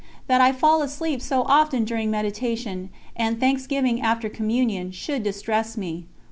That I fall asleep so often during meditation, and thanksgiving after Communion, should distress me.